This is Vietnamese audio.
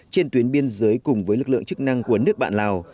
trên tuyến biên giới cùng với lực lượng chức năng của nước bạn lào